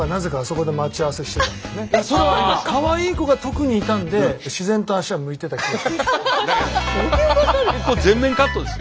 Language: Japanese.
かわいい子が特にいたんで自然と足が向いていた気がします。